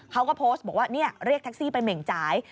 เขาก็โพสต์บอกว่าเรียกแท็กซี่ไปเหม่งจ่าย